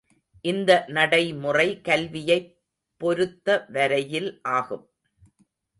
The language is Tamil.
இந்த நடைமுறை கல்வியைப் பொருத்த வரையில் ஆகும்.